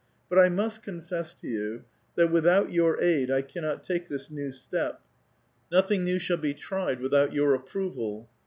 But I must ^^^^fess to you, that without your aid, I cannot take this "^^ step. Nothing new shall be tried without your ap proval.